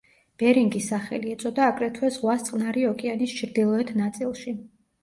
ბერინგის სახელი ეწოდა აგრეთვე ზღვას წყნარი ოკეანის ჩრდილოეთ ნაწილში.